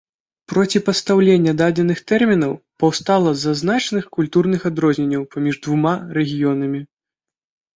Проціпастаўленне дадзеных тэрмінаў паўстала з-за значных культурных адрозненняў паміж двума рэгіёнамі.